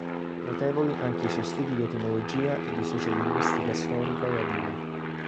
Notevoli anche i suoi studi di etimologia e di sociolinguistica storica ladina.